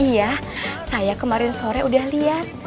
iya saya kemarin sore udah lihat